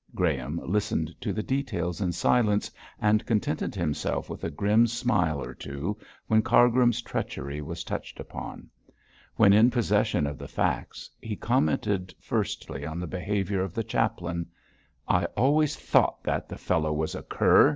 Graham listened to the details in silence, and contented himself with a grim smile or two when Cargrim's treachery was touched upon. When in possession of the facts, he commented firstly on the behaviour of the chaplain. 'I always thought that the fellow was a cur!'